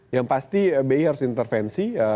yang pasti bi harus intervensi